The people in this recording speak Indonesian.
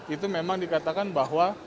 itu memang dikatakan bahwa